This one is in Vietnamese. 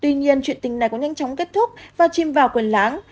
tuy nhiên chuyện tình này cũng nhanh chóng kết thúc và chìm vào quyền láng